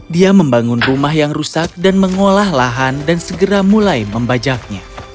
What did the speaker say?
dia membangun rumah yang rusak dan mengolah lahan dan segera mulai membajaknya